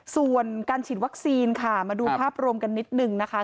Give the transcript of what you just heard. ส่วนการฉีดวัคซีนค่ะมาดูภาพรวมกันนิดนึงนะคะ